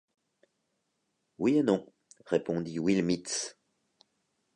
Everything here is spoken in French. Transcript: Oui et non, répondit Will Mitz.